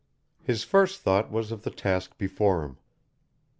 His first thought was of the task before him.